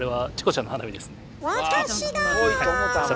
私だ！